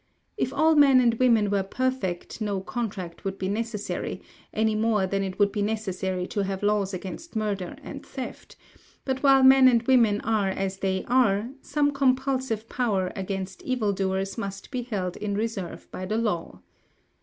If all men and women were perfect, no contract would be necessary, any more than it would be necessary to have laws against murder and theft; but while men and women are as they are, some compulsive power against evil doers must be held in reserve by the law.